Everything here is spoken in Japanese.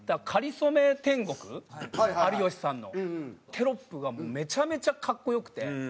テロップがめちゃめちゃ格好良くて。